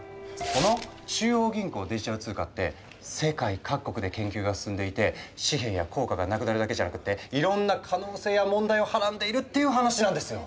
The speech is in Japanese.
この中央銀行デジタル通貨って世界各国で研究が進んでいて紙幣や硬貨がなくなるだけじゃなくっていろんな可能性や問題をはらんでいるっていう話なんですよ。